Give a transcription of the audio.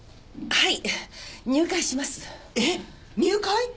はい！